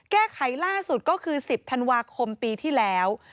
แก้ไขล่าสุดก็คือ๑๐ธันวาคมปีที่แล้ว